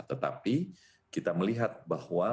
tetapi kita melihat bahwa